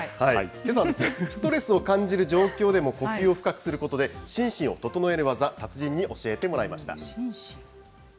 けさはストレスを感じる状況でも、呼吸を深くすることで、心身を整える技、達人に教えてもらいました。